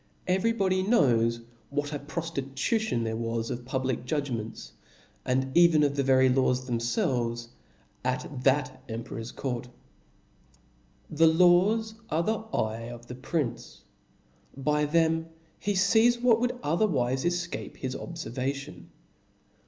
^ Eycf y body knows what a profticucion there wasof public judgraents, and even of tbe very laws themfelves at that emperor's court. The laws are the eye of the prince ; by them he fees what would othefwiie efcape his oblerva tion.